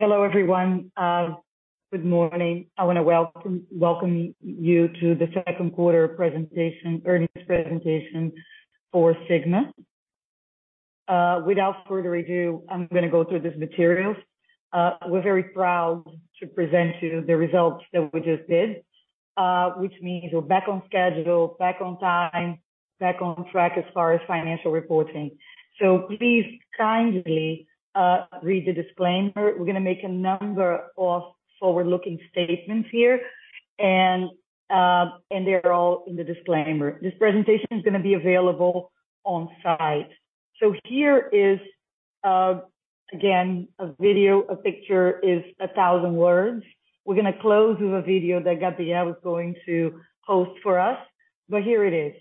Hello, everyone. Good morning. I want to welcome you to the second quarter presentation, earnings presentation for Sigma. Without further ado, I'm gonna go through these materials. We're very proud to present to you the results that we just did, which means we're back on schedule, back on time, back on track as far as financial reporting. So please kindly read the disclaimer. We're gonna make a number of forward-looking statements here, and, and they're all in the disclaimer. This presentation is gonna be available on site. So here is, again, a video. A picture is a thousand words. We're gonna close with a video that Gabriel was going to host for us, but here it is.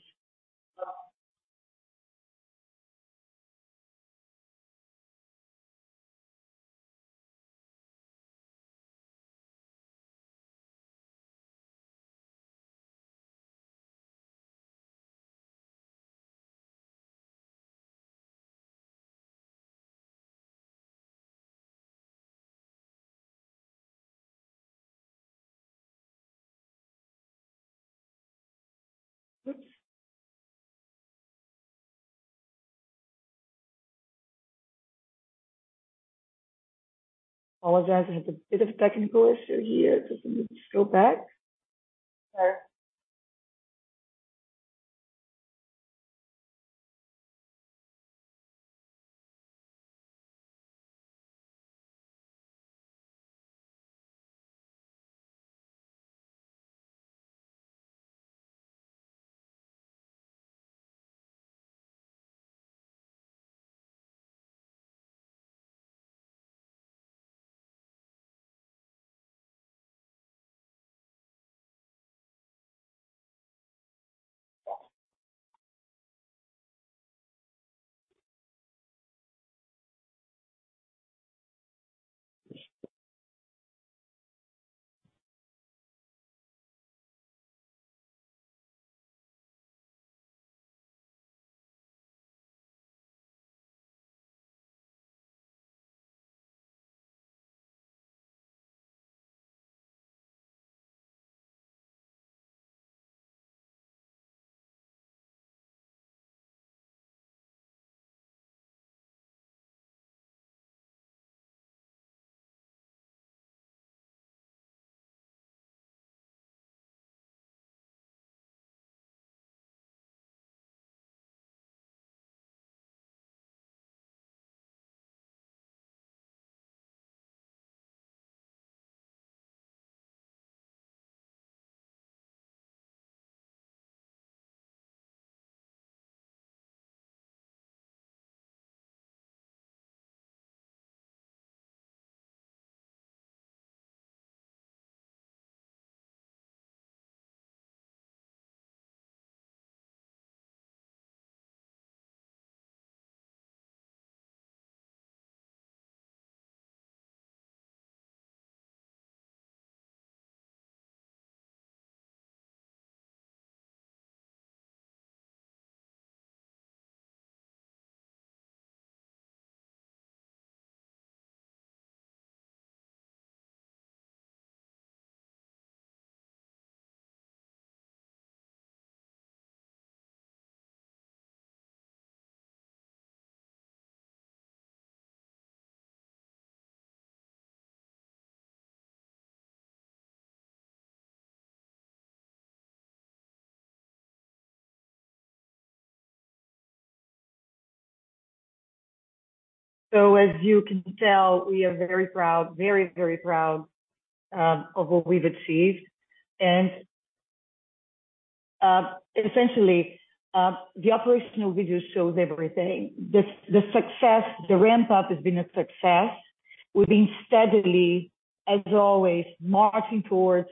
Oops! I apologize, there's a bit of a technical issue here, just let me go back. So as you can tell, we are very proud, very, very proud, of what we've achieved. And, essentially, the operational video shows everything. The ramp-up has been a success. We've been steadily, as always, marching towards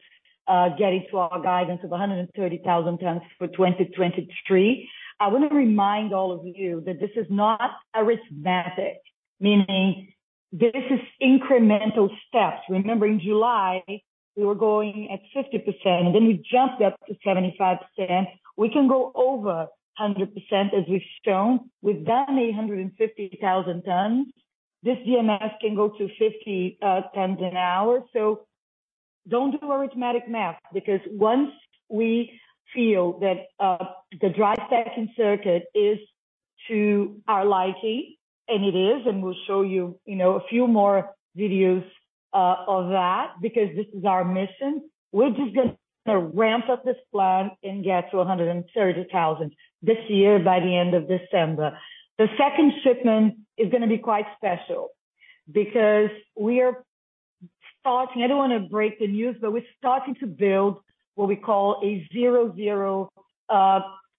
getting to our guidance of 130,000 tons for 2023. I want to remind all of you that this is not arithmetic, meaning this is incremental steps. Remember, in July, we were going at 50%, and then we jumped up to 75%. We can go over 100%, as we've shown. We've done 150,000 tons. This DMS can go to 50 tons an hour. So don't do arithmetic math, because once we feel that the dry stacking circuit is to our liking, and it is, and we'll show you, you know, a few more videos of that, because this is our mission. We're just gonna ramp up this plan and get to 130,000 this year by the end of December. The second shipment is gonna be quite special because we are starting. I don't want to break the news, but we're starting to build what we call a zero, zero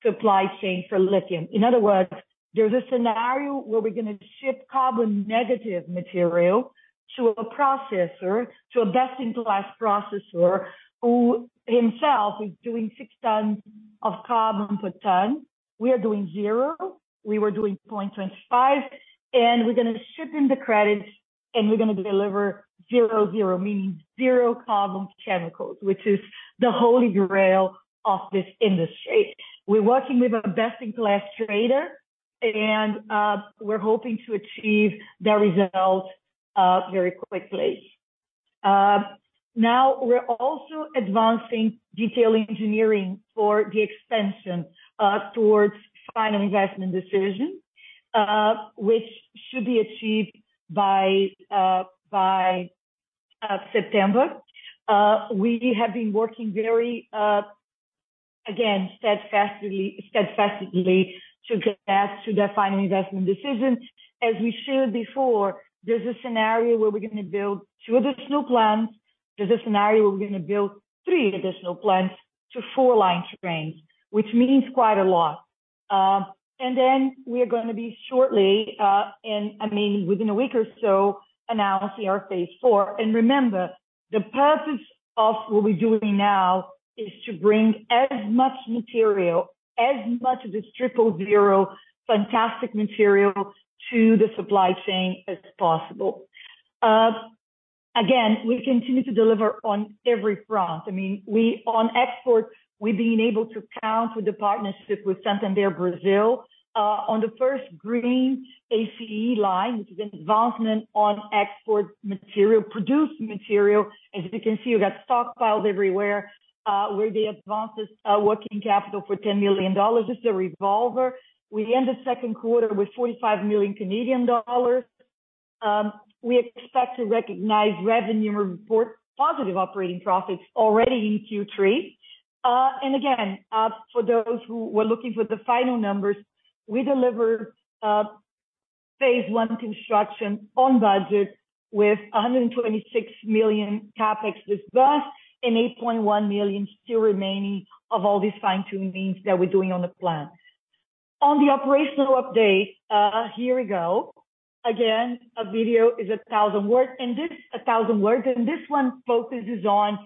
supply chain for lithium. In other words, there's a scenario where we're gonna ship carbon negative material to a processor, to a best-in-class processor, who himself is doing 6 tons of carbon per ton. We are doing zero. We were doing 0.25, and we're gonna ship him the credits. And we're gonna deliver zero, zero, meaning zero carbon chemicals, which is the holy grail of this industry. We're working with a best-in-class trader, and we're hoping to achieve the results very quickly. Now, we're also advancing detailed engineering for the expansion towards final investment decision, which should be achieved by September. We have been working very, again, steadfastly to get us to the final investment decision. As we shared before, there's a scenario where we're gonna build two additional plants. There's a scenario where we're gonna build three additional plants to four line trains, which means quite a lot. And then we are gonna be shortly, and, I mean, within a week or so, announcing our phase IV. Remember, the purpose of what we're doing now is to bring as much material, as much of this triple zero fantastic material to the supply chain as possible. Again, we continue to deliver on every front. I mean, on export, we've been able to count with the partnership with Santander Brazil on the first green ACE line, which is an advancement on export material, produced material. As you can see, we got stockpiled everywhere with the advances, working capital for $10 million. It's a revolver. We end the second quarter with 45 million Canadian dollars. We expect to recognize revenue and report positive operating profits already in Q3. And again, for those who were looking for the final numbers, we delivered phase one construction on budget with 126 million CapEx dispersed and 8.1 million still remaining of all these fine-tuning means that we're doing on the plant. On the operational update, here we go. Again, a video is a thousand words, and this—a thousand words, and this one focuses on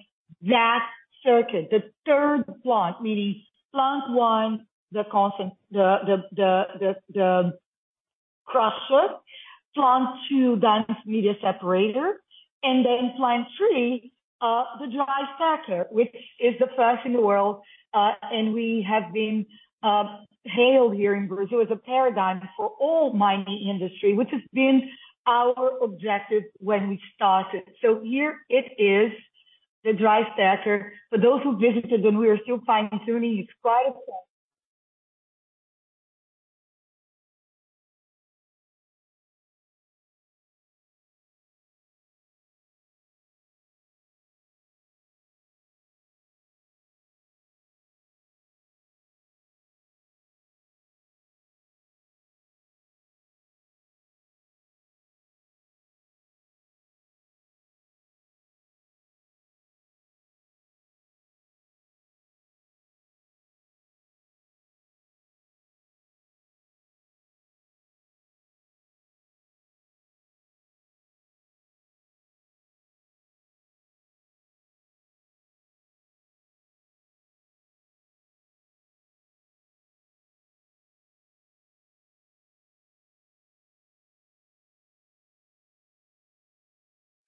that circuit, the third plant, meaning plant one, the constant, the crusher, plant two, dense media separator, and then plant three, the dry stacker, which is the first in the world, and we have been hailed here in Brazil as a paradigm for all mining industry, which has been our objective when we started. So here it is, the dry stacker. For those who visited when we were still fine-tuning, it's.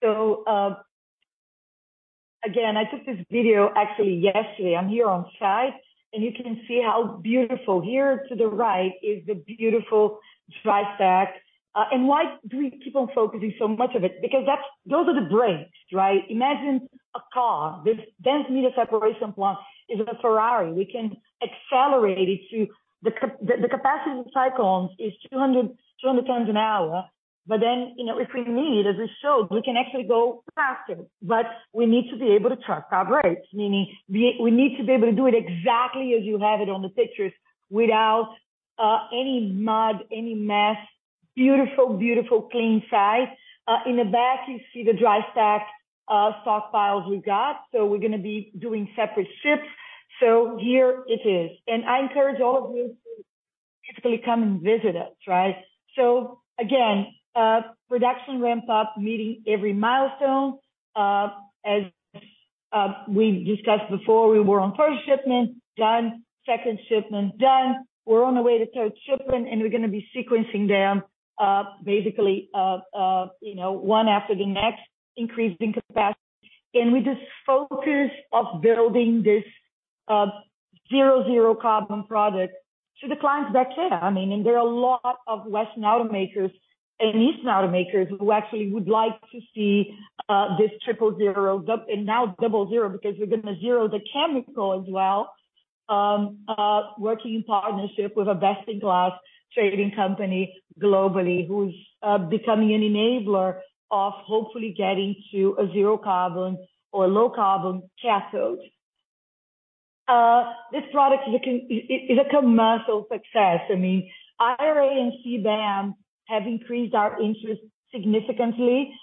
So, again, I took this video actually yesterday. I'm here on site, and you can see how beautiful. Here to the right is the beautiful Dry Stack. And why do we keep on focusing so much of it? Because that's, those are the brains, right? Imagine a car. This Dense Media Separation plant is a Ferrari. We can accelerate it to the. The capacity of the cyclone is 200, 200 tons an hour. But then, you know, if we need, as we showed, we can actually go faster, but we need to be able to trust our brakes, meaning we, we need to be able to do it exactly as you have it on the pictures, without any mud, any mess. Beautiful, beautiful, clean site. In the back, you see the dry stack, stockpiles we've got. So we're gonna be doing separate ships. So here it is, and I encourage all of you to physically come and visit us, right? So again, production ramp-up, meeting every milestone. As we discussed before, we were on first shipment, done, second shipment, done. We're on the way to third shipment, and we're gonna be sequencing them, basically, you know, one after the next, increasing capacity. And we just focus of building this, zero, zero carbon product to the clients' benefit. I mean, and there are a lot of Western automakers and Eastern automakers who actually would like to see this triple zero, and now double zero, because we're gonna zero the chemical as well, working in partnership with a best-in-class trading company globally, who's becoming an enabler of hopefully getting to a zero-carbon or low-carbon cathode. This product is a commercial success. I mean, IRA and CBAM have increased our interest significantly.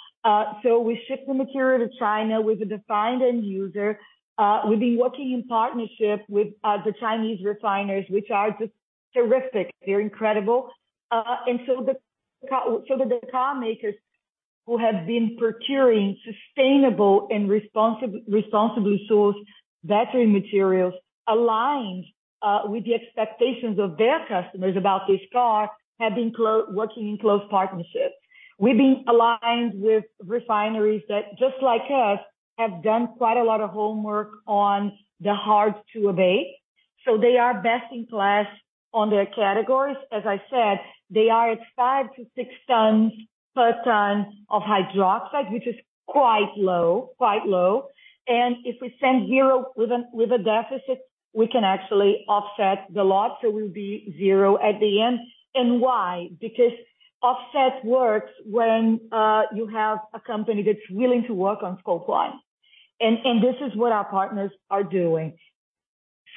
So we ship the material to China with a defined end user. We've been working in partnership with the Chinese refiners, which are just terrific. They're incredible. And so the carmakers who have been procuring sustainable and responsibly sourced battery materials aligned with the expectations of their customers about this car, have been working in close partnership. We've been aligned with refineries that, just like us, have done quite a lot of homework on the hard to abate. So they are best in class on their categories. As I said, they are at 5 tons-6 tons per ton of hydroxide, which is quite low, quite low. And if we send zero with a, with a deficit, we can actually offset the lot, so we'll be zero at the end. And why? Because offset works when you have a company that's willing to work on scope one. And this is what our partners are doing.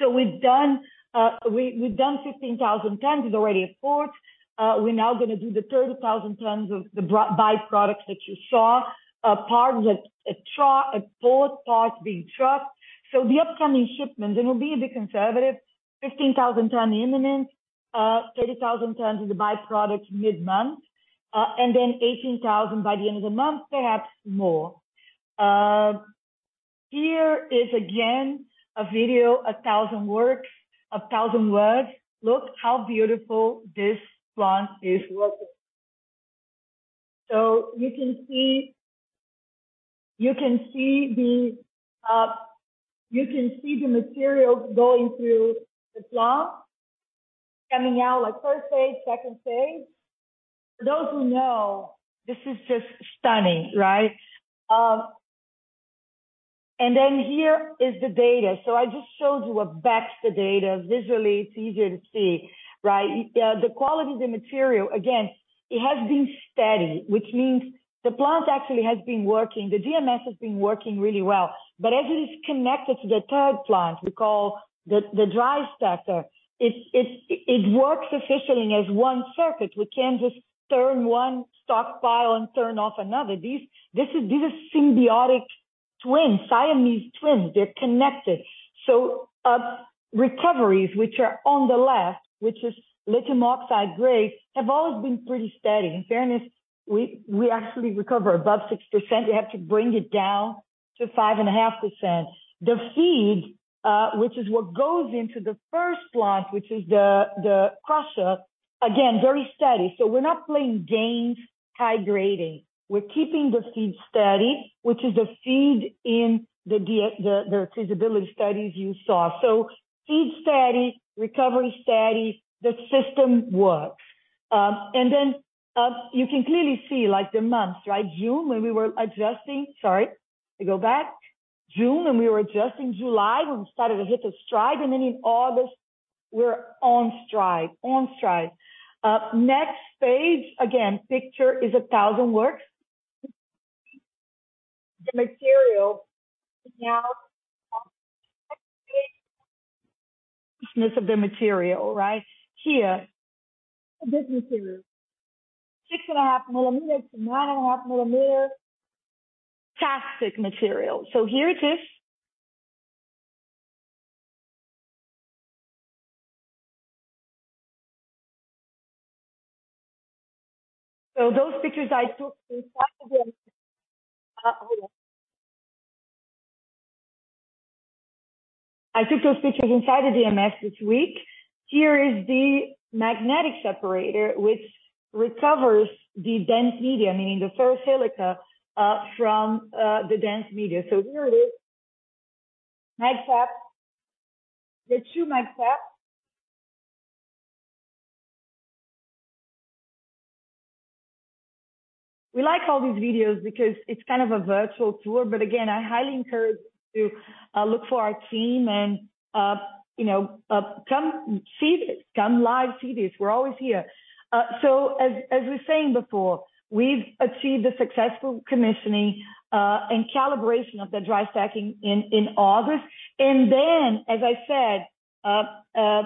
So we've done 15,000 tons is already at port. We're now gonna do the 30,000 tons of the byproduct that you saw, part of that, trucked to port, part being trucked. So the upcoming shipment, and we'll be a bit conservative, 15,000 ton imminent, 30,000 tons is a by-product mid-month, and then 18,000 by the end of the month, perhaps more. Here is again, a video, a thousand words, a thousand words. Look how beautiful this plant is working. So you can see, you can see the, you can see the materials going through the plant, coming out like first phase, second phase. For those who know, this is just stunning, right? And then here is the data. So I just showed you what backs the data. Visually, it's easier to see, right? The quality of the material, again, it has been steady, which means the plant actually has been working. The DMS has been working really well, but as it is connected to the third plant, we call the dry stacker, it works efficiently as one circuit. We can't just turn one stockpile and turn off another. These are symbiotic twins, Siamese twins, they're connected. So, recoveries, which are on the left, which is lithium oxide grade, have always been pretty steady. In fairness, we actually recover above 6%, we have to bring it down to 5.5%. The feed, which is what goes into the first plant, which is the crusher, again, very steady. So we're not playing games, high grading. We're keeping the feed steady, which is the feed in the feasibility studies you saw. So feed steady, recovery steady, the system works. And then, you can clearly see, like, the months, right? June, when we were adjusting. Sorry, I go back. June, when we were adjusting, July, when we started to hit the stride, and then in August, we're on stride. On stride. Next phase, again, picture is a thousand words. The material is now- of the material, right? Here, this material. 6.5 mm-9.5 mm. Fantastic material. So here it is. So those pictures I took inside the, I took those pictures inside the DMS this week. Here is the magnetic separator, which recovers the dense media, meaning the ferrosilicon, from the dense media. So here it is. Magsep. The two Magsep. We like all these videos because it's kind of a virtual tour, but again, I highly encourage to look for our team and, you know, come see this. Come live, see this. We're always here. So as we were saying before, we've achieved the successful commissioning and calibration of the Dry Stacking in August. And then, as I said,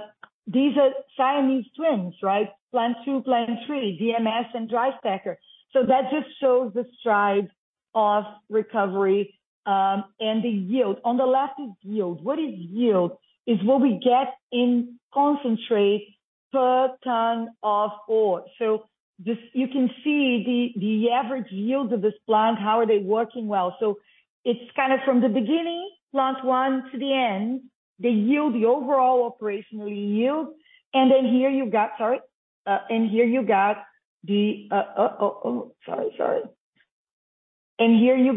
these are Siamese twins, right? Plant two, plant three, DMS, and dry stacker. So that just shows the strides of recovery and the yield. On the left is yield. What is yield? Is what we get in concentrate per ton of ore. So this, you can see the average yield of this plant, how are they working well. So it's kind of from the beginning, plant one to the end, the yield, the overall operational yield. Here you've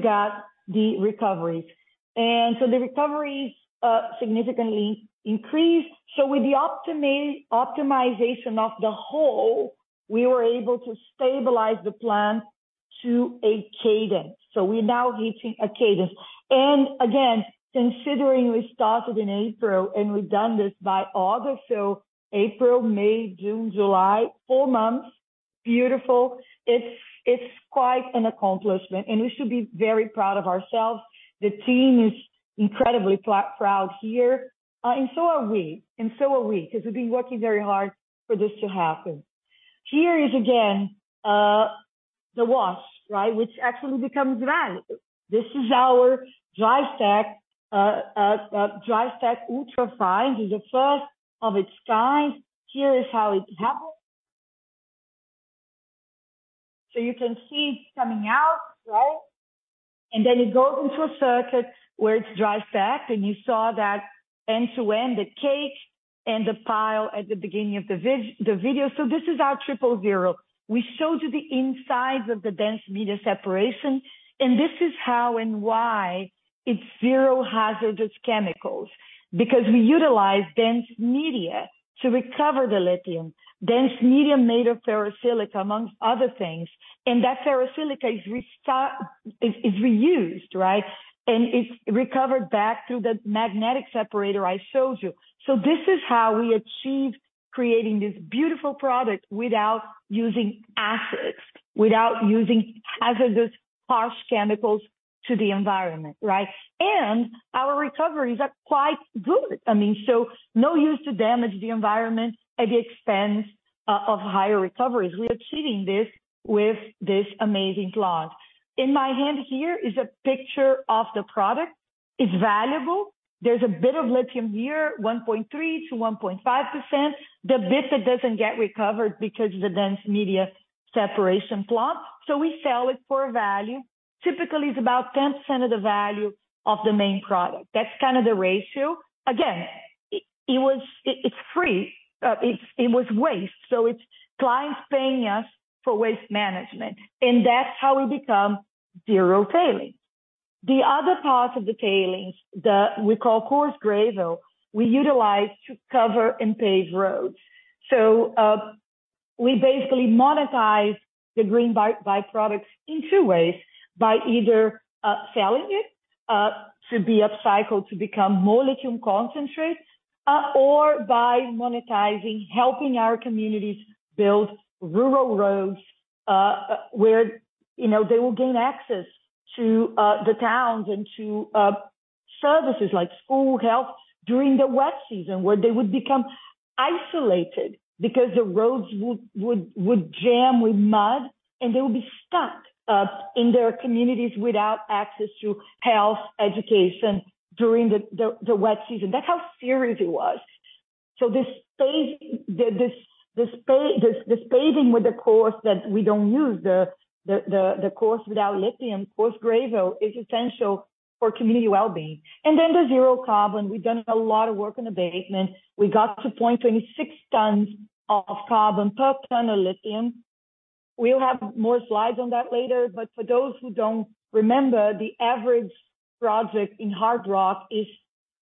got the recoveries. So the recoveries significantly increased. So with the optimization of the whole, we were able to stabilize the plant to a cadence. So we're now reaching a cadence. Again, considering we started in April and we've done this by August, so April, May, June, July, 4 months. Beautiful. It's quite an accomplishment, and we should be very proud of ourselves. The team is incredibly proud here, and so are we, because we've been working very hard for this to happen. Here is again the wash, right? Which actually becomes value. This is our dry stack, dry stack ultra fine, is the first of its kind. Here is how it happens. So you can see it coming out. And then it goes into a circuit where it's dry stacked, and you saw that end-to-end, the cake and the pile at the beginning of the video. So this is our triple zero. We showed you the insides of the dense media separation, and this is how and why it's zero hazardous chemicals, because we utilize dense media to recover the lithium. Dense medium made of ferrosilica, among other things, and that ferrosilica is reused, right? And it's recovered back through the magnetic separator I showed you. So this is how we achieve creating this beautiful product without using acids, without using hazardous, harsh chemicals to the environment, right? And our recoveries are quite good. I mean, so no use to damage the environment at the expense of higher recoveries. We're achieving this with this amazing plant. In my hand here is a picture of the product. It's valuable. There's a bit of lithium here, 1.3%-1.5%. The bit that doesn't get recovered because of the dense media separation plant, so we sell it for a value. Typically, it's about 10% of the value of the main product. That's kind of the ratio. Again, it was—it's free. It's waste, so it's clients paying us for waste management, and that's how we become zero tailings. The other part of the tailings that we call coarse gravel, we utilize to cover and pave roads. So, we basically monetize the green by-products in two ways, by either selling it to be upcycled to become more lithium concentrate, or by monetizing, helping our communities build rural roads, where, you know, they will gain access to the towns and to services like school, health, during the wet season, where they would become isolated because the roads would jam with mud, and they would be stuck in their communities without access to health, education during the wet season. That's how serious it was. So this paving with the coarse that we don't use, the coarse without lithium, coarse gravel, is essential for community well-being. And then the zero carbon, we've done a lot of work on abatement. We got to 0.26 tons of carbon per ton of lithium. We'll have more slides on that later, but for those who don't remember, the average project in hard rock is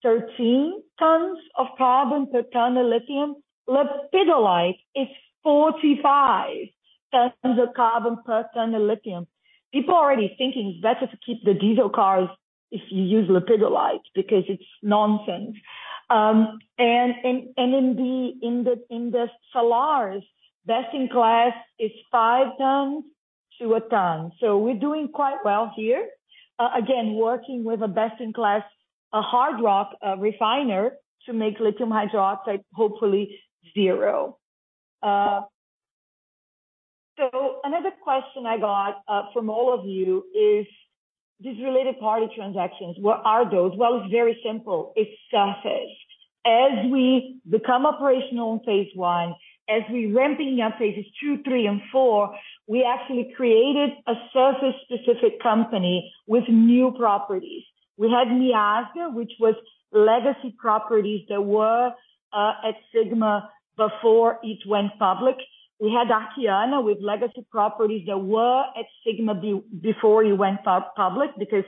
13 tons of carbon per ton of lithium. Lepidolite is 45 tons of carbon per ton of lithium. People are already thinking it's better to keep the diesel cars if you use lepidolite because it's nonsense. In the salars, best in class is 5 tons to a ton. So we're doing quite well here. Again, working with a best-in-class, a hard rock refiner to make lithium hydroxide, hopefully 0. Uh, so another question I got from all of you is these related party transactions, what are those? Well, it's very simple: it's surface. As we become operational in phase one, as we're ramping up phases two, three, and four, we actually created a surface-specific company with new properties. We had Mical, which was legacy properties that were at Sigma before it went public. We had Arqueana, with legacy properties that were at Sigma before it went public, because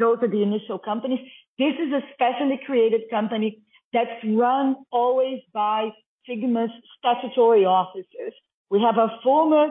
those are the initial companies. This is a specially created company that's run always by Sigma's statutory officers. We have a former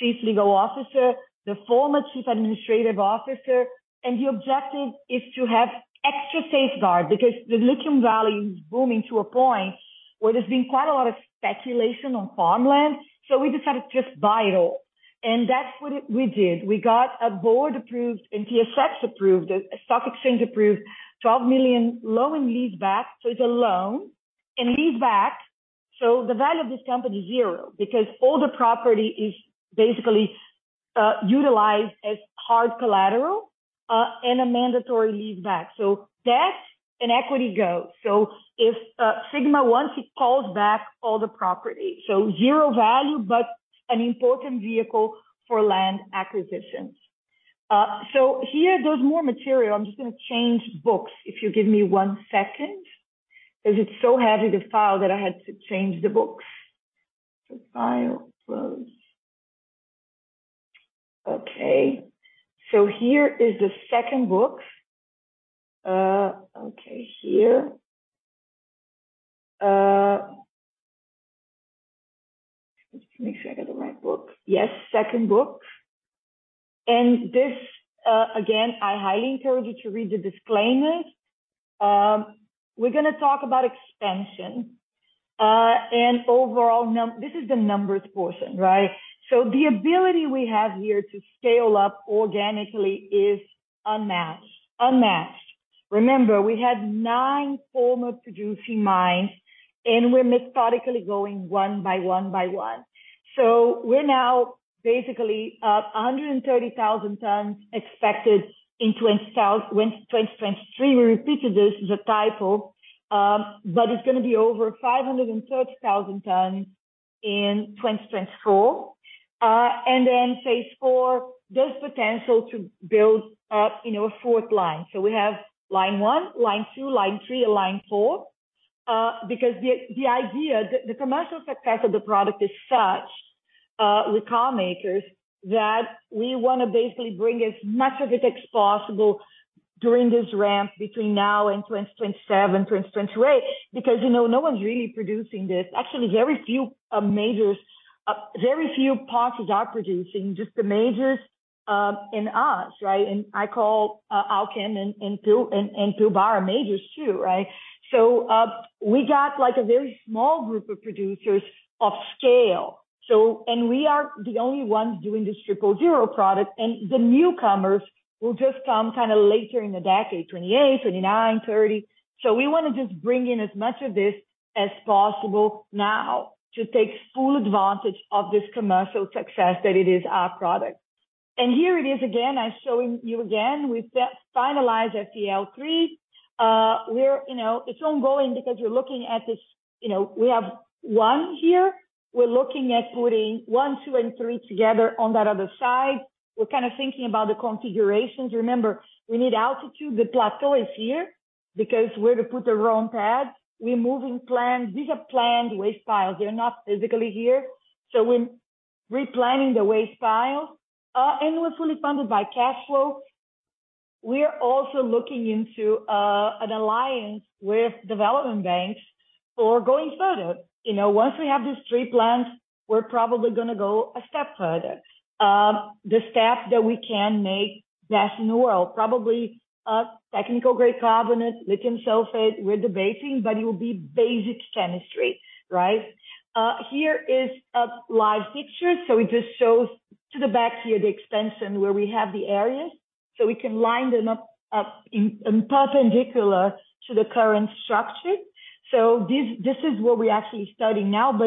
chief legal officer, the former chief administrative officer, and the objective is to have extra safeguard because the lithium valley is booming to a point where there's been quite a lot of speculation on farmland. So we decided to just buy it all, and that's what we did. We got a board-approved and TSX-approved, a stock exchange-approved, 12 million loan and leaseback. So it's a loan and leaseback, so the value of this company is zero because all the property is basically utilized as hard collateral and a mandatory leaseback. So debt and equity go. So if Sigma once it calls back all the property, so zero value, but an important vehicle for land acquisitions. So here there's more material. I'm just gonna change books, if you give me one second, because it's so heavy the file that I had to change the books. The file, close. Okay, so here is the second book. Okay, here. Just make sure I got the right book. Yes, second book. And this, again, I highly encourage you to read the disclaimers. We're gonna talk about expansion and overall num-- this is the numbers portion, right? So the ability we have here to scale up organically is unmatched. Unmatched. Remember, we had nine former producing mines, and we're methodically going one by one by one. So we're now basically 130,000 tons expected in 2023. We repeated this, it's a typo, but it's gonna be over 530,000 tons in 2024. And then phase four, there's potential to build up, you know, a fourth line. So we have line one, line two, line three, and line four. Because the, the idea, the, the commercial success of the product is such, with car makers, that we wanna basically bring as much of it as possible during this ramp between now and 2027, 2028. Because, you know, no one's really producing this. Actually, very few majors, very few parties are producing, just the majors, and us, right? And I call Albemarle and two other majors too, right? So we got, like, a very small group of producers of scale. And we are the only ones doing this triple zero product, and the newcomers will just come kinda later in the decade, 2028, 2029, 2030. So we wanna just bring in as much of this as possible now to take full advantage of this commercial success that it is our product. And here it is again. I'm showing you again, we've just finalized FEL 3. We're, you know, it's ongoing because you're looking at this, you know, we have one here. We're looking at putting one, two, and three together on that other side. We're kind of thinking about the configurations. Remember, we need altitude. The plateau is here because we're to put our own pads. We're moving plans. These are planned waste piles; they're not physically here. So we're replanning the waste piles, and we're fully funded by cash flow. We're also looking into an alliance with development banks for going further. You know, once we have these three plants, we're probably gonna go a step further. The step that we can make best in the world, probably a technical-grade carbonate, lithium sulfate, we're debating, but it will be basic chemistry, right? Here is a live picture. So it just shows to the back here, the extension where we have the areas, so we can line them up in perpendicular to the current structure. So this is what we're actually studying now.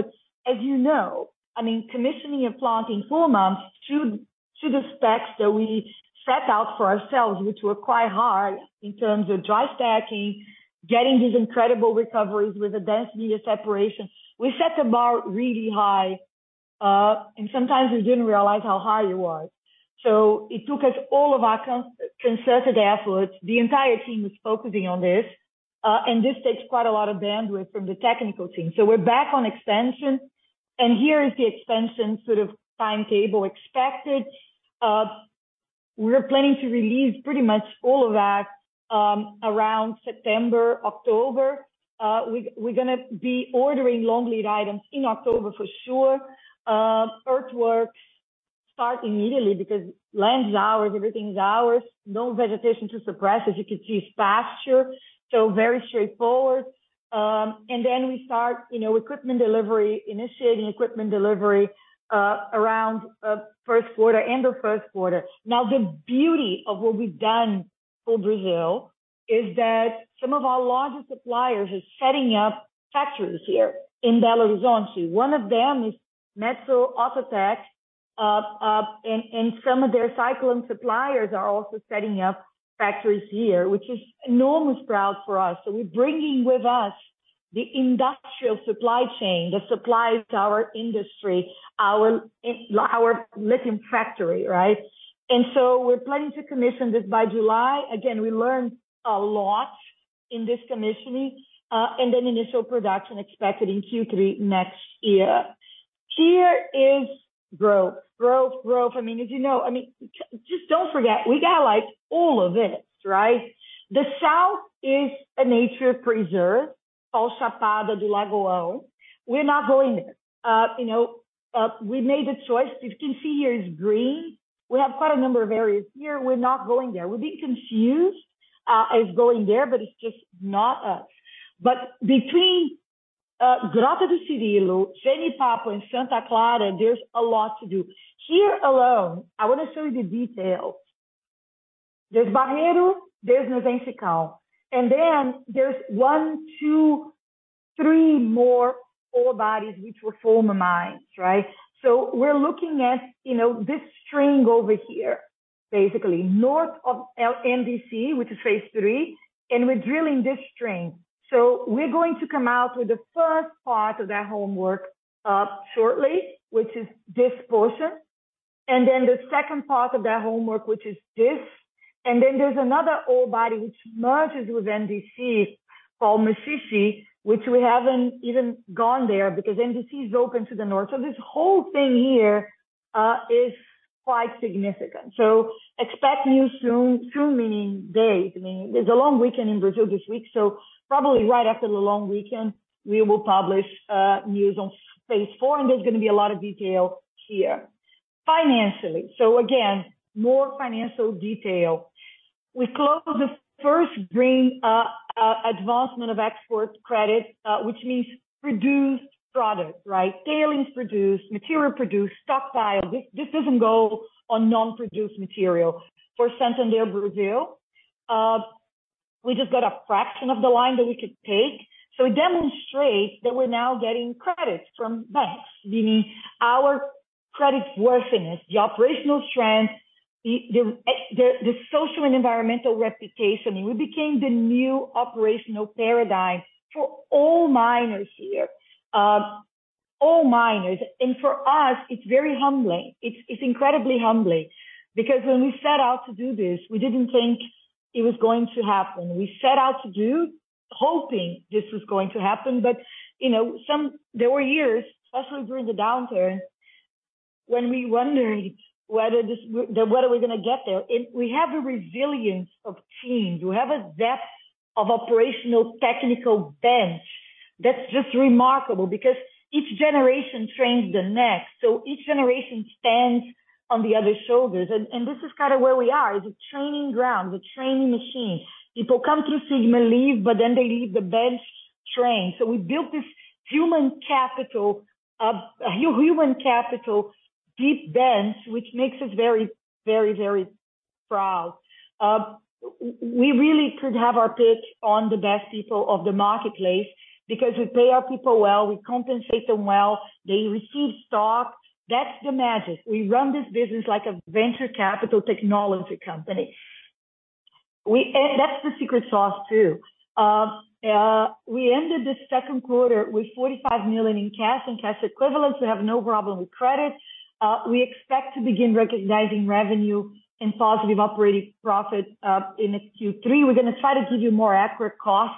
As you know, I mean, commissioning a plant in four months to the specs that we set out for ourselves, which were quite hard in terms of dry stacking, getting these incredible recoveries with a density of separation. We set the bar really high, and sometimes we didn't realize how high it was. So it took us all of our concerted efforts. The entire team was focusing on this, and this takes quite a lot of bandwidth from the technical team. So we're back on expansion, and here is the expansion sort of timetable expected. We're planning to release pretty much all of that around September, October. We're gonna be ordering long-lead items in October for sure. Earthworks start immediately because land is ours, everything is ours. No vegetation to suppress. As you can see, it's pasture, so very straightforward. And then we start, you know, equipment delivery, initiating equipment delivery, around first quarter, end of first quarter. Now, the beauty of what we've done for Brazil is that some of our largest suppliers are setting up factories here in Belo Horizonte. One of them is Metso, and some of their cycling suppliers are also setting up factories here, which is enormously proud for us. So we're bringing with us the industrial supply chain, the suppliers to our industry, our lithium factory, right? And so we're planning to commission this by July. Again, we learned a lot in this commissioning, and then initial production expected in Q3 next year. Here is growth. Growth, growth. I mean, as you know, I mean, just don't forget, we got, like, all of this, right? The south is a nature preserve, called Chapada do Lagoão. We're not going there. You know, we made a choice. If you can see here, it's green. We have quite a number of areas here. We're not going there. We've been confused as going there, but it's just not us. But between Grota do Cirilo, Genipapo, and Santa Clara, there's a lot to do. Here alone, I wanna show you the details. There's Barreiro, there's Noventical, and then there's one, two, three more ore bodies which were former mines, right? So we're looking at, you know, this string over here, basically, north of NDC, which is phase three, and we're drilling this string. So we're going to come out with the first part of that homework shortly, which is this portion, and then the second part of that homework, which is this. Then there's another ore body which merges with NDC called Maxixe, which we haven't even gone there because NDC is open to the north. So this whole thing here is quite significant. So expect news soon. Soon, meaning days. I mean, there's a long weekend in Brazil this week, so probably right after the long weekend, we will publish news on phase four, and there's gonna be a lot of detail here. Financially, so again, more financial detail. We closed the first green advancement of export credit which means produced product, right? Tailings produced, material produced, stockpile. This doesn't go on non-produced material for Santander Brazil. We just got a fraction of the line that we could take. So it demonstrates that we're now getting credits from banks, meaning our credit worthiness, the operational strength, the social and environmental reputation. We became the new operational paradigm for all miners here. All miners. And for us, it's very humbling. It's incredibly humbling because when we set out to do this, we didn't think it was going to happen. We set out to do, hoping this was going to happen, but, you know, there were years, especially during the downturn, when we wondered whether we're gonna get there. And we have a resilience of team. We have a depth of operational technical bench that's just remarkable because each generation trains the next. So each generation stands on the other's shoulders, and this is kind of where we are, is a training ground, a training machine. People come through Sigma Li, but then they leave the bench trained. So we built this human capital, human capital, deep bench, which makes us very, very, very proud. We really could have our pick on the best people of the marketplace because we pay our people well, we compensate them well, they receive stock. That's the magic. We run this business like a venture capital technology company. And that's the secret sauce, too. We ended the second quarter with $45 million in cash and cash equivalents. We have no problem with credit. We expect to begin recognizing revenue and positive operating profit in Q3. We're gonna try to give you more accurate costs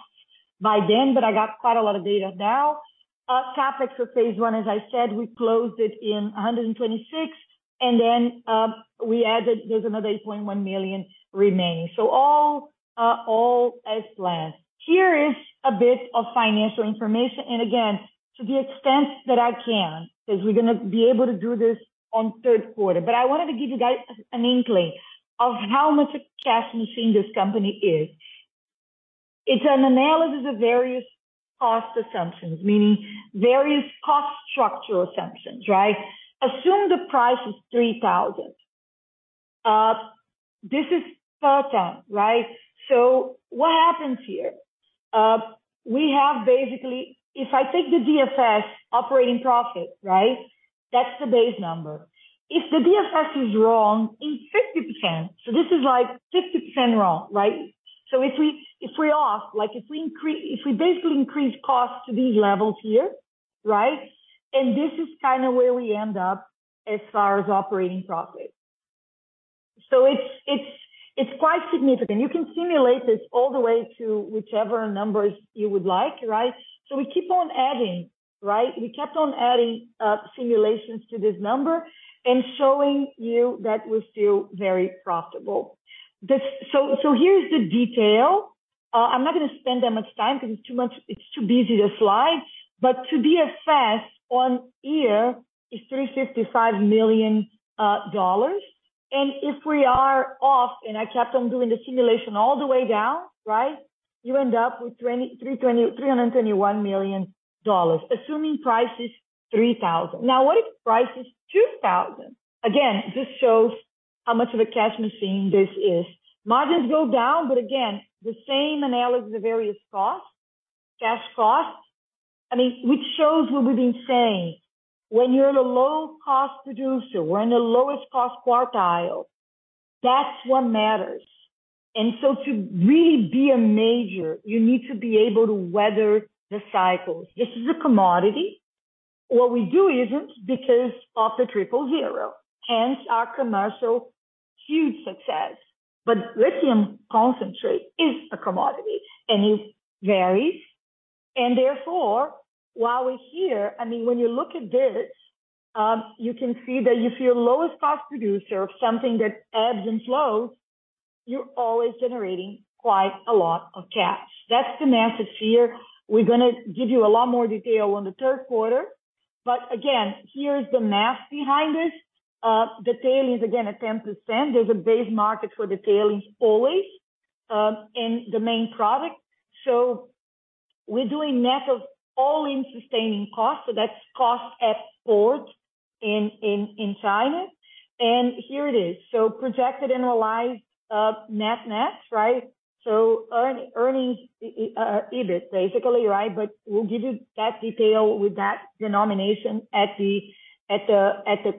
by then, but I got quite a lot of data now. CapEx for phase one, as I said, we closed it in $126 million, and then we added there's another $8.1 million remaining. So all as planned. Here is a bit of financial information. And again, to the extent that I can, 'cause we're gonna be able to do this on third quarter. But I wanted to give you guys an inkling of how much a cash machine this company is. It's an analysis of various cost assumptions, meaning various cost structure assumptions, right? Assume the price is $3,000. This is certain, right? So what happens here? We have basically, if I take the DFS operating profit, right, that's the base number. If the DFS is wrong in 50%, so this is like 50% wrong, right? So if we, if we're off, like, if we basically increase costs to these levels here, right? And this is kind of where we end up as far as operating profit. So it's, it's, it's quite significant. You can simulate this all the way to whichever numbers you would like, right? So we keep on adding, right? We kept on adding simulations to this number and showing you that we're still very profitable. So here's the detail. I'm not gonna spend that much time because it's too much, it's too busy the slide, but to be assessed on here is $355 million dollars. And if we are off, and I kept on doing the simulation all the way down, right? You end up with $2,321 million dollars, assuming price is $3,000. Now, what if the price is $2,000? Again, this shows how much of a cash machine this is. Margins go down, but again, the same analysis of various costs, cash costs, I mean, which shows what we've been saying. When you're in a low-cost producer, we're in the lowest cost quartile. That's what matters. And so to really be a major, you need to be able to weather the cycles. This is a commodity. What we do isn't because of the triple zero, hence our commercial, huge success. But lithium concentrate is a commodity, and it varies. And therefore, while we're here, I mean, when you look at this, you can see that if you're a lowest-cost producer of something that ebbs and flows, you're always generating quite a lot of cash. That's the message here. We're gonna give you a lot more detail on the third quarter. But again, here's the math behind this. The tailings, again, at 10%, there's a base market for the tailings always, and the main product. So we're doing net of all-in sustaining costs, so that's cost at port in China. And here it is. So projected analyzed net-net, right? So earnings, EBIT basically, right? But we'll give you that detail with that denomination at the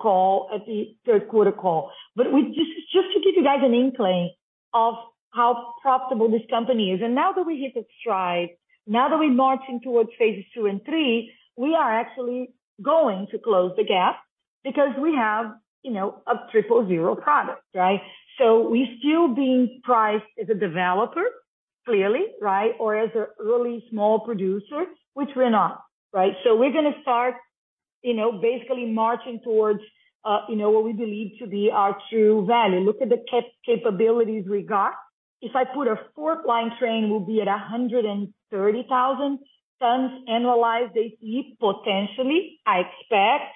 call, at the third quarter call. But just, just to give you guys an inkling of how profitable this company is, and now that we hit the stride, now that we're marching towards phases II and III, we are actually going to close the gap because we have, you know, a triple zero product, right? So we're still being priced as a developer, clearly, right? Or as a really small producer, which we're not, right. So we're gonna start, you know, basically marching towards, you know, what we believe to be our true value. Look at the capabilities regard. If I put a fourth line train, we'll be at 130,000 tons annualized EBITDA, potentially, I expect,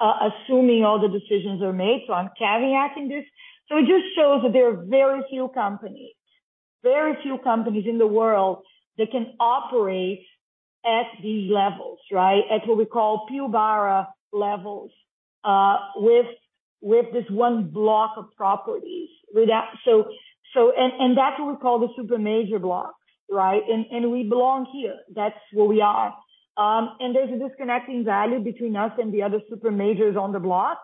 assuming all the decisions are made, so I'm caveating this. So it just shows that there are very few companies, very few companies in the world that can operate at these levels, right? At what we call Pilbara levels, with this one block of properties, and that's what we call the super major block, right? And we belong here. That's where we are. And there's a disconnecting value between us and the other super majors on the block.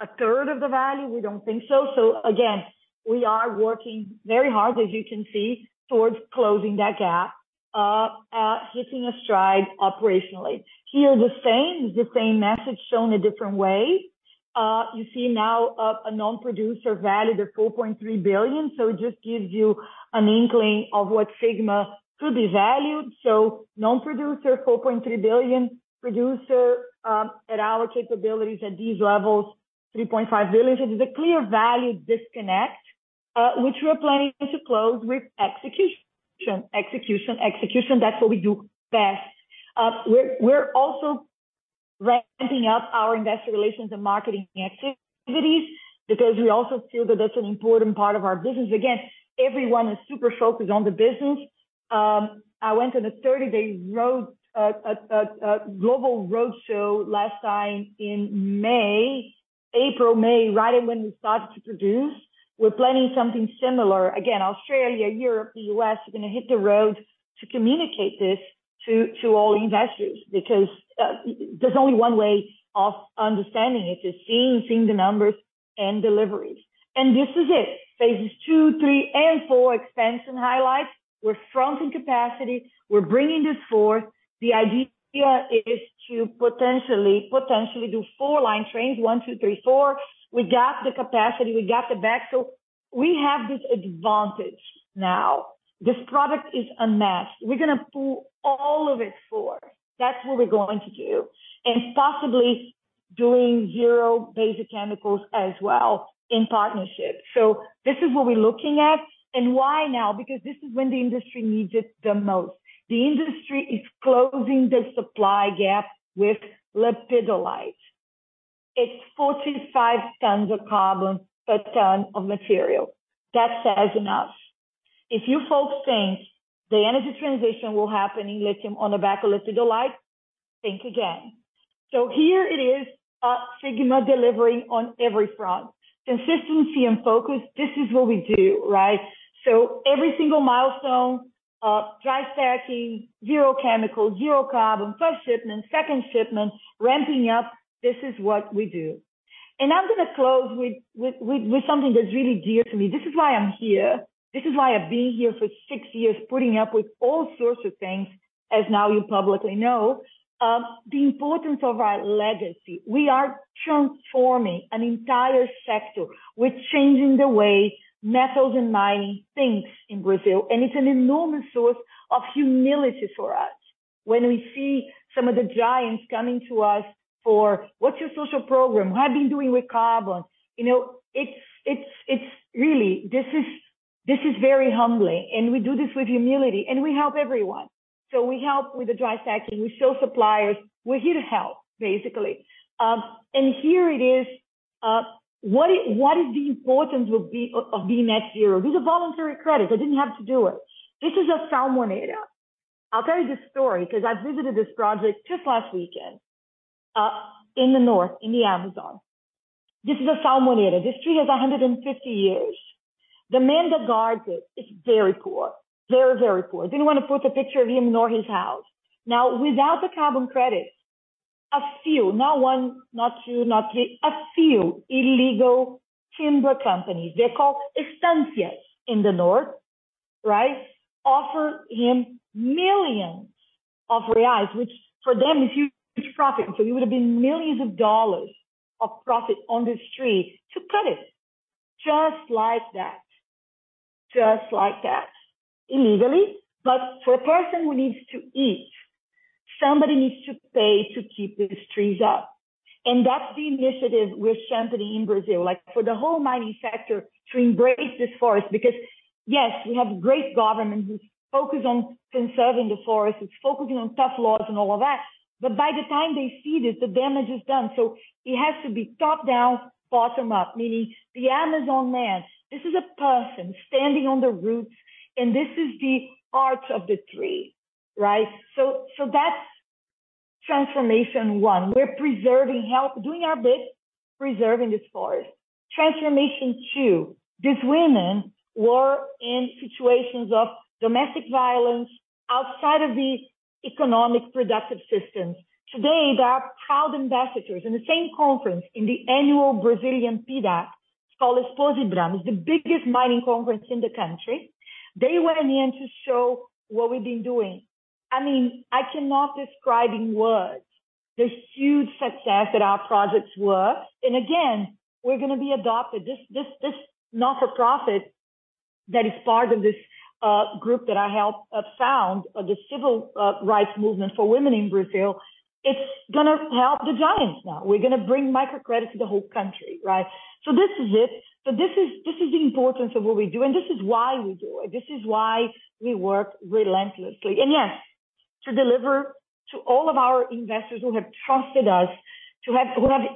A third of the value? We don't think so. So again, we are working very hard, as you can see, towards closing that gap, hitting a stride operationally. Here are the same, the same message shown a different way. You see now, a non-producer valued at $4.3 billion, so it just gives you an inkling of what Sigma could be valued. So non-producer, $4.3 billion, producer, at our capabilities at these levels, $3.5 billion. So there's a clear value disconnect, which we're planning to close with execution. Execution, execution, that's what we do best. We're also ramping up our investor relations and marketing activities because we also feel that that's an important part of our business. Again, everyone is super focused on the business. I went on a 30-day global roadshow last time in April, May, right at when we started to produce. We're planning something similar. Again, Australia, Europe, the U.S., we're gonna hit the road to communicate this to, to all investors because there's only one way of understanding it, is seeing, seeing the numbers and deliveries. And this is it. Phases II, III, and IV expansion highlights. We're strong in capacity. We're bringing this forth. The idea is to potentially, potentially do four line trains, one, two, three, four. We got the capacity, we got the back, so we have this advantage now. This product is unmatched. We're gonna pull all of it forth. That's what we're going to do, and possibly doing zero basic chemicals as well in partnership. So this is what we're looking at. And why now? Because this is when the industry needs it the most. The industry is closing the supply gap with lepidolite. It's 45 tons of carbon per ton of material. That says enough. If you folks think the energy transition will happen in lithium on the back of lepidolite, think again. So here it is, Sigma delivering on every front. Consistency and focus, this is what we do, right? So every single milestone, dry stacking, zero chemicals, zero carbon, first shipment, second shipment, ramping up, this is what we do. And I'm gonna close with something that's really dear to me. This is why I'm here. This is why I've been here for six years, putting up with all sorts of things, as now you publicly know, the importance of our legacy. We are transforming an entire sector. We're changing the way metals and mining thinks in Brazil, and it's an enormous source of humility for us when we see some of the giants coming to us for: What's your social program? What have you been doing with carbon? You know, it's really this is very humbling, and we do this with humility, and we help everyone. So we help with the dry stacking. We show suppliers we're here to help, basically. And here it is. What is the importance of being net zero? These are voluntary credits. I didn't have to do it. This is a salmoneira. I'll tell you this story 'cause I visited this project just last weekend, in the north, in the Amazon. This is a salmoneira. This tree is 150 years. The man that guards it is very poor. Very, very poor. Didn't wanna put a picture of him nor his house. Now, without the carbon credits, a few, not one, not two, not three, a few illegal timber companies, they're called estancias in the north, right? Offer him millions reais, which for them is huge profit. So it would have been $ millions of profit on this tree to cut it, just like that. Just like that, illegally. But for a person who needs to eat, somebody needs to pay to keep these trees up. And that's the initiative we're championing in Brazil, like, for the whole mining sector to embrace this forest, because, yes, we have a great government who's focused on conserving the forest, it's focusing on tough laws and all of that, but by the time they see this, the damage is done. So it has to be top-down, bottom-up, meaning the Amazon, man, this is a person standing on the roof, and this is the heart of the tree, right? So, so that's transformation one. We're preserving, doing our bit, preserving this forest. Transformation two, these women were in situations of domestic violence outside of the economic productive systems. Today, they are proud ambassadors. In the same conference, in the annual Brazilian PDAC, it's called Exposibram, it's the biggest mining conference in the country, they went in there to show what we've been doing. I mean, I cannot describe in words the huge success that our projects were. And again, we're gonna be adopted. This not-for-profit that is part of this group that I helped found the civil rights movement for women in Brazil, it's gonna help the giants now. We're gonna bring microcredit to the whole country, right? So this is it. So this is, this is the importance of what we do, and this is why we do it. This is why we work relentlessly. And yes, to deliver to all of our investors who have trusted us, who have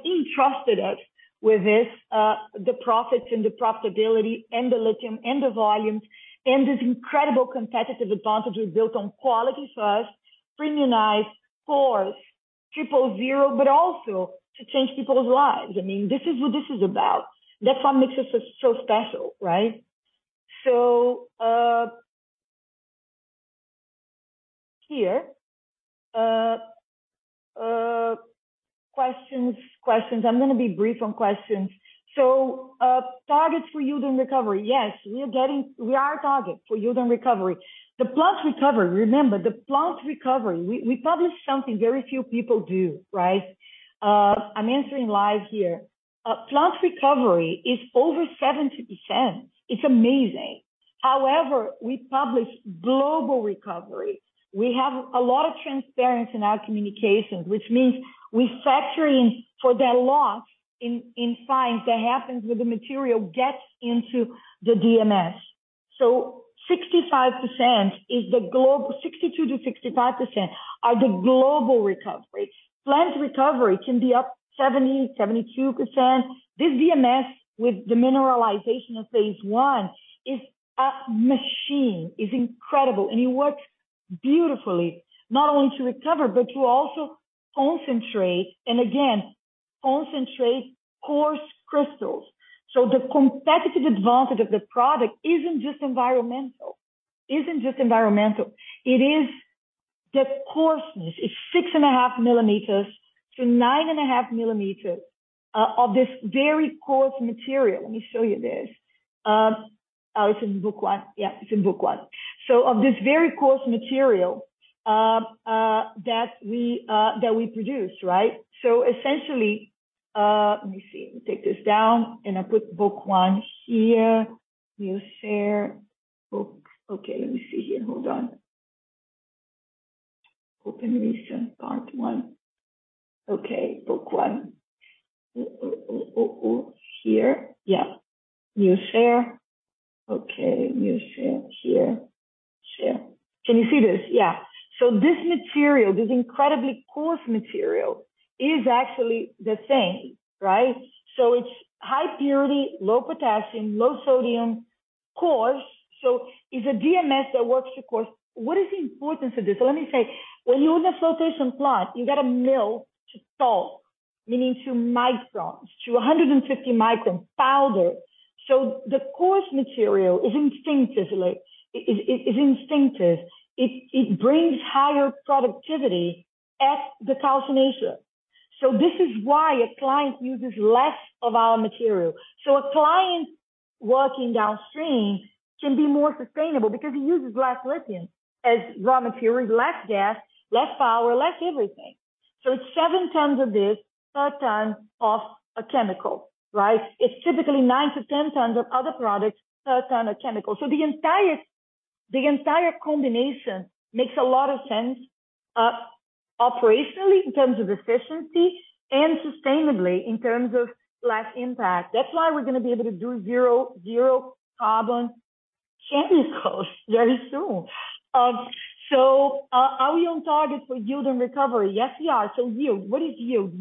entrusted us with this, the profits and the profitability and the lithium and the volumes and this incredible competitive advantage we've built on quality first, premiumized coarse triple zero, but also to change people's lives. I mean, this is what this is about. That's what makes us so special, right? So, here. Questions, questions. I'm gonna be brief on questions. So, targets for yield and recovery. Yes, we are on target for yield and recovery. The plant recovery, remember, the plant recovery, we published something very few people do, right? I'm answering live here. Plant recovery is over 70%. It's amazing. However, we publish global recovery. We have a lot of transparency in our communications, which means we factor in for that loss in science that happens when the material gets into the DMS. So 65% is the global 62%-65% are the global recovery. Plant recovery can be up 70%, 72%. This DMS, with demineralization of phase one, is a machine, is incredible, and it works beautifully, not only to recover, but to also concentrate, and again, concentrate coarse crystals. So the competitive advantage of the product isn't just environmental, isn't just environmental, it is the coarseness. It's 6.5 mm-9.5 mm of this very coarse material. Let me show you this. Oh, it's in book one. Yeah, it's in book one. So of this very coarse material that we produce, right? So essentially, let me see. Let me take this down, and I put book one here. We'll share. Okay, let me see here. Hold on. Open recent, part one. Okay, book one. Oh, here. Yeah, we'll share. Okay, we'll share here. Share. Can you see this? Yeah. So this material, this incredibly coarse material, is actually the same, right? So it's high purity, low potassium, low sodium, coarse. So it's a DMS that works, of course. What is the importance of this? So let me say, when you own a flotation plant, you got a mill to pulp, meaning to microns, to a 150-micron powder. So the coarse material is instinctive. It brings higher productivity at the calcination. So this is why a client uses less of our material. So a client working downstream can be more sustainable because he uses less lithium as raw material, less gas, less power, less everything. So it's 7 tons of this per ton of a chemical, right? It's typically 9-10 tons of other products per ton of chemical. So the entire combination makes a lot of sense operationally, in terms of efficiency and sustainably, in terms of less impact. That's why we're gonna be able to do zero, zero carbon chemicals very soon. So are we on target for yield and recovery? Yes, we are. So yield, what is yield?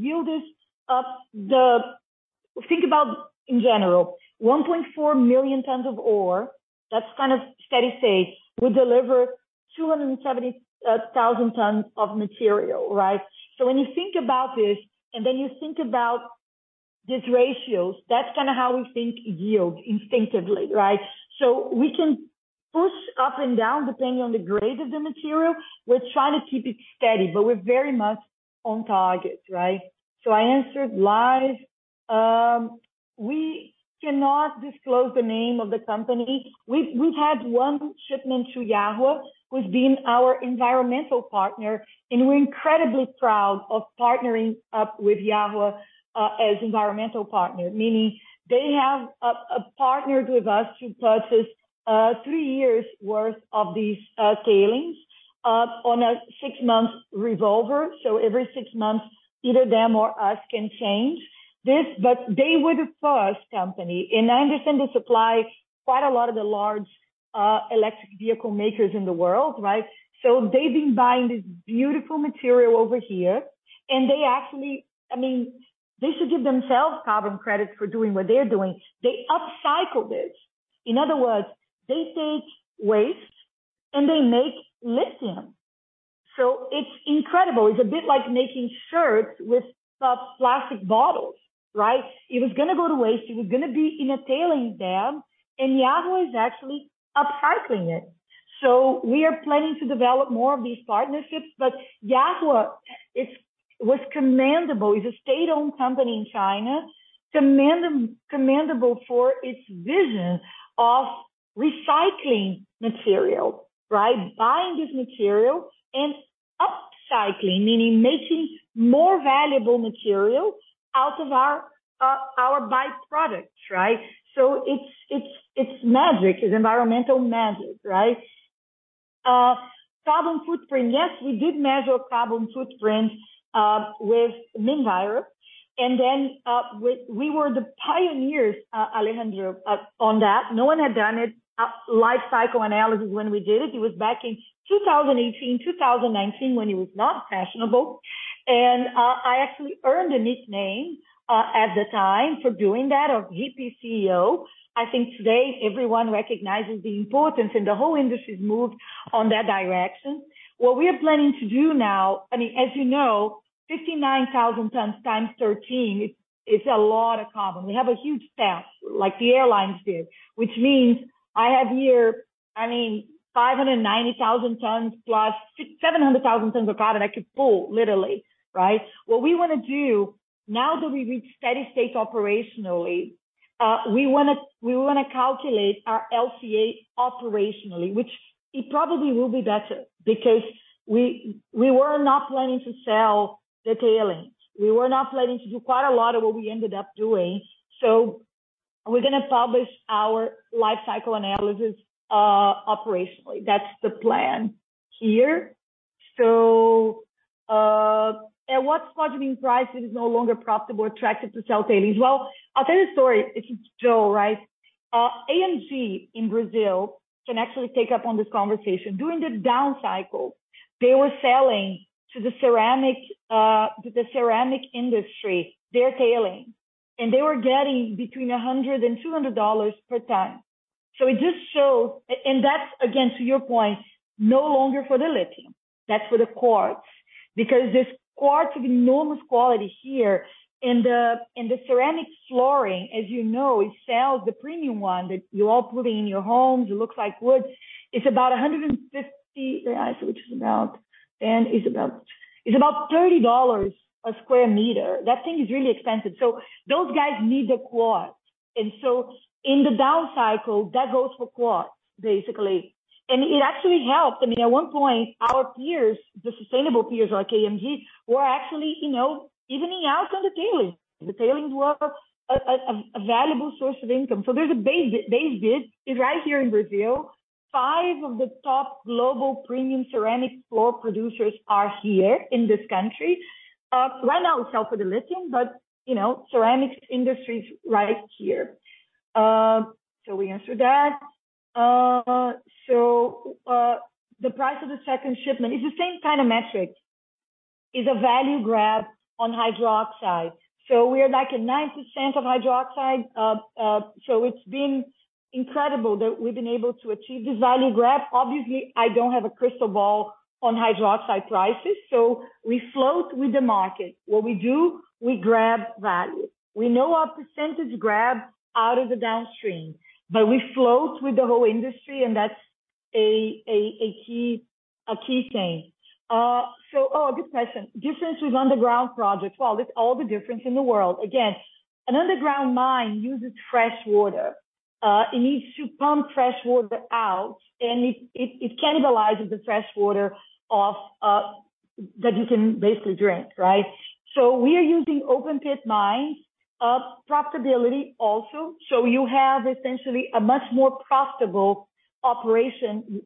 Think about in general, 1.4 million tons of ore, that's kind of steady state, will deliver 270,000 tons of material, right? So when you think about this, and then you think about these ratios, that's kinda how we think yield instinctively, right? So we can push up and down, depending on the grade of the material. We're trying to keep it steady, but we're very much on target, right? So I answered live. We cannot disclose the name of the company. We've had one shipment to Yahua, who's been our environmental partner, and we're incredibly proud of partnering up with Yahua as environmental partner. Meaning, they have partnered with us to purchase three years' worth of these tailings on a six-month revolver. So every six months, either them or us can change this. But they were the first company, and I understand they supply quite a lot of the large electric vehicle makers in the world, right? So they've been buying this beautiful material over here, and they actually, I mean, they should give themselves carbon credit for doing what they're doing. They upcycle this. In other words, they take waste, and they make lithium. So it's incredible. It's a bit like making shirts with plastic bottles, right? It was gonna go to waste, it was gonna be in a tailings dam, and Yahua is actually upcycling it. So we are planning to develop more of these partnerships. But Yahua is, was commendable. It's a state-owned company in China, commendable for its vision of recycling material, right? Buying this material and upcycling, meaning making more valuable material out of our byproducts, right? So it's, it's, it's magic. It's environmental magic, right? Carbon footprint. Yes, we did measure carbon footprint with Minviro, and then we were the pioneers, Alejandro, on that. No one had done it, a lifecycle analysis, when we did it. It was back in 2018, 2019, when it was not fashionable. And I actually earned a nickname at the time for doing that, of VP CEO. I think today everyone recognizes the importance, and the whole industry's moved in that direction. What we are planning to do now, I mean, as you know, 59,000 tons × 13 is a lot of carbon. We have a huge task, like the airlines did, which means I have here, I mean, 590,000 tons + 700,000 tons of carbon I could pull literally, right? What we wanna do now that we've reached steady state operationally, we wanna calculate our LCA operationally, which it probably will be better because we were not planning to sell the tailings. We were not planning to do quite a lot of what we ended up doing. So we're gonna publish our life cycle analysis operationally. That's the plan here. So, at what spot and price it is no longer profitable or attractive to sell tailings? Well, I'll tell you a story. This is Joe, right? AMG in Brazil can actually take up on this conversation. During the down cycle, they were selling to the ceramic industry, their tailings, and they were getting between $100 and $200 per ton. And that's, again, to your point, no longer for the lithium, that's for the quartz. Because this quartz is enormous quality here, and the ceramic flooring, as you know, it sells the premium one that you're all putting in your homes, it looks like wood. It's about 150 reais, which is about $30 a square meter. That thing is really expensive. So those guys need the quartz. And so in the down cycle, that goes for quartz, basically. And it actually helped. I mean, at one point, our peers, the sustainable peers, like AMG, were actually, you know, evening out on the tailings. The tailings were a valuable source of income. So there's a base bid right here in Brazil; five of the top global premium ceramic floor producers are here in this country. Right now, we sell for the lithium, but, you know, ceramics industry is right here. So we answered that. So, the price of the second shipment, it's the same kind of metric. It's a value grab on hydroxide. So we are like at 90% of hydroxide. So it's been incredible that we've been able to achieve this value grab. Obviously, I don't have a crystal ball on hydroxide prices, so we float with the market. What we do, we grab value. We know our percentage grab out of the downstream, but we float with the whole industry, and that's a key thing. So, oh, good question. Difference with underground projects. Well, it's all the difference in the world. Again, an underground mine uses fresh water. It needs to pump fresh water out, and it cannibalizes the fresh water off that you can basically drink, right? So we are using open-pit mines, profitability also. So you have essentially a much more profitable operation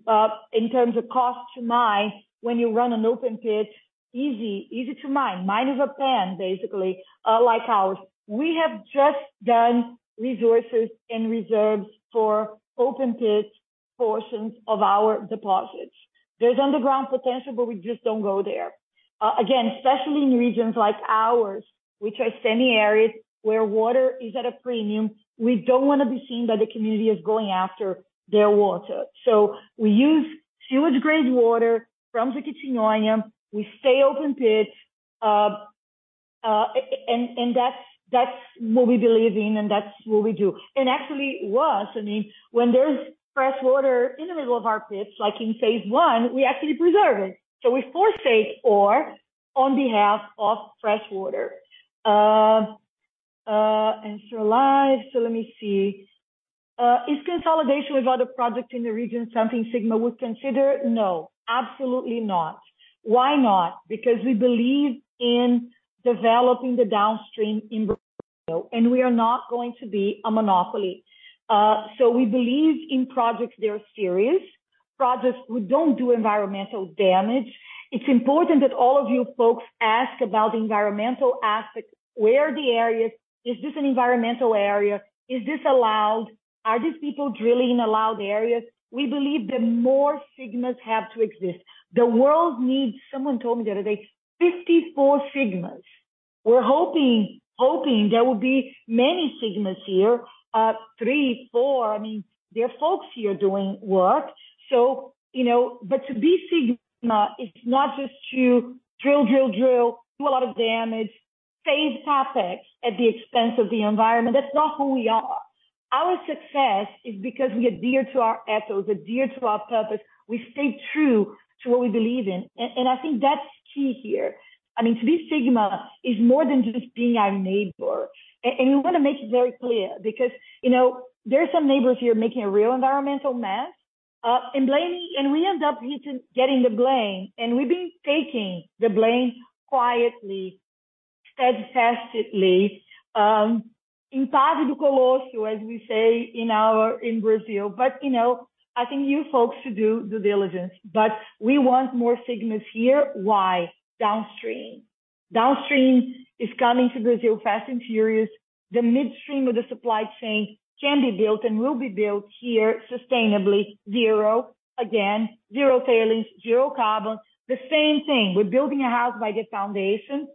in terms of cost to mine when you run an open pit. Easy, easy to mine. Mine is a pan, basically, like ours. We have just done resources and reserves for open-pit portions of our deposits. There's underground potential, but we just don't go there. Again, especially in regions like ours, which are semi-arid, where water is at a premium, we don't wanna be seen by the community as going after their water. So we use sewage-grade water from the Jequitinhonha. We stay open pit, and that's what we believe in, and that's what we do. Actually, it was, I mean, when there's fresh water in the middle of our pits, like in phase one, we actually preserve it. So we forsake ore on behalf of fresh water. Answer live. So let me see. Is consolidation with other projects in the region something Sigma would consider? No, absolutely not. Why not? Because we believe in developing the downstream in Brazil, and we are not going to be a monopoly. So we believe in projects that are serious, projects who don't do environmental damage. It's important that all of you folks ask about the environmental aspects. Where are the areas? Is this an environmental area? Is this allowed? Are these people drilling in allowed areas? We believe that more Sigmas have to exist. The world needs, someone told me the other day, 54 Sigmas. We're hoping, hoping there will be many Sigmas here. Three, four, I mean, there are folks here doing work. You know, but to be Sigma, it's not just to drill, drill, drill, do a lot of damage, faze topics at the expense of the environment. That's not who we are. Our success is because we adhere to our ethos, adhere to our purpose. We stay true to what we believe in. I think that's key here. I mean, to be Sigma is more than just being our neighbor. We wanna make it very clear because, you know, there are some neighbors here making a real environmental mess, and blaming, and we end up getting the blame, and we've been taking the blame quietly, steadfastedly, inside the colossus, as we say in Brazil. But, you know, I think you folks should do due diligence. But we want more Sigmas here. Why? Downstream. Downstream is coming to Brazil, fast and furious. The midstream of the supply chain can be built and will be built here sustainably. Zero, again, zero tailings, zero carbon. The same thing, we're building a house by the foundation.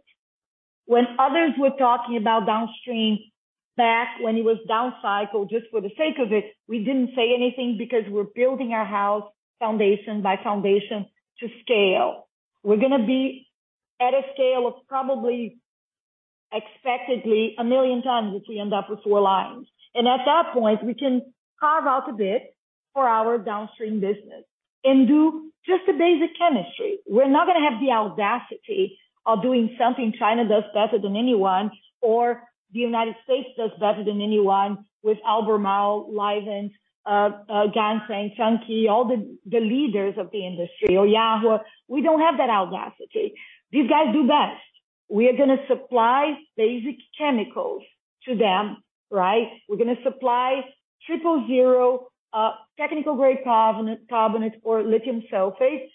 When others were talking about downstream, back when it was downcycled, just for the sake of it, we didn't say anything because we're building our house foundation by foundation to scale. We're gonna be at a scale of probably, expectedly, 1 million tons, if we end up with four lines. And at that point, we can carve out a bit for our downstream business and do just the basic chemistry. We're not gonna have the audacity of doing something China does better than anyone, or the United States does better than anyone, with Albemarle, Livent, Ganfeng, Tianqi, all the leaders of the industry, or Yahua. We don't have that audacity. These guys do best. We are gonna supply basic chemicals to them, right? We're gonna supply triple zero technical-grade carbonate or lithium sulfate,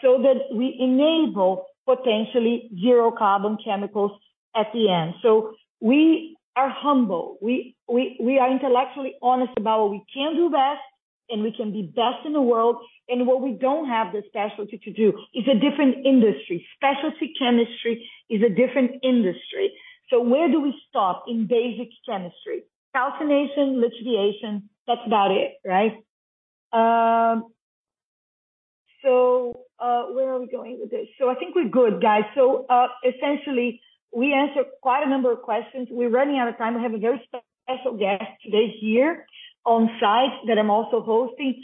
so that we enable potentially zero carbon chemicals at the end. So we are humble. We are intellectually honest about what we can do best, and we can be best in the world, and what we don't have the specialty to do. It's a different industry. Specialty chemistry is a different industry. So where do we start? In basic chemistry: calcination, lithiumization, that's about it, right? So where are we going with this? So I think we're good, guys. So, essentially, we answered quite a number of questions. We're running out of time. I have a very special guest this year on site that I'm also hosting.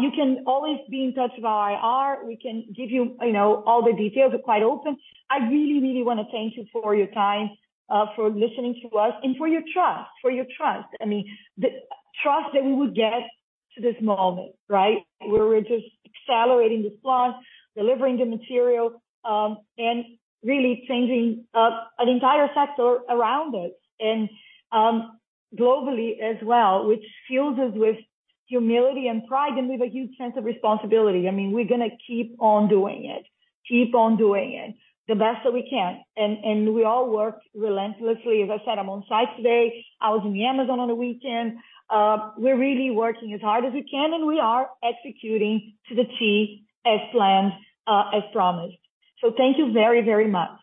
You can always be in touch with our IR. We can give you, you know, all the details. We're quite open. I really, really wanna thank you for your time, for listening to us, and for your trust, for your trust. I mean, the trust that we would get to this moment, right? Where we're just accelerating the plans, delivering the material, and really changing, an entire sector around us and, globally as well, which fills us with humility and pride, and with a huge sense of responsibility. I mean, we're gonna keep on doing it, keep on doing it the best that we can. We all work relentlessly. As I said, I'm on site today. I was in the Amazon on the weekend. We're really working as hard as we can, and we are executing to the T as planned, as promised. So thank you very, very much!